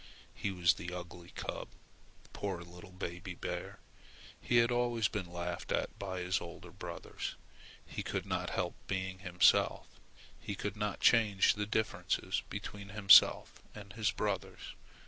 He was the ugly cub. Poor little baby bear! he had always been laughed at by his older brothers. He could not help being himself. He could not change the differences between himself and his brothers.